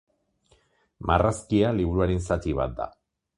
Marrazkia liburuaren zati bat da.